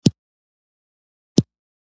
پیغام استولی وو.